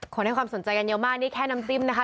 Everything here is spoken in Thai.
ให้ความสนใจกันเยอะมากนี่แค่น้ำจิ้มนะคะ